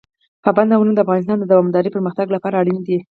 پابندي غرونه د افغانستان د دوامداره پرمختګ لپاره اړین دي.